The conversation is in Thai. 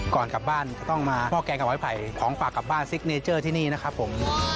ก่อนกลับบ้านก็ต้องมาห้อแกงกับไม้ไผ่ของฝากกลับบ้านซิกเนเจอร์ที่นี่นะครับผม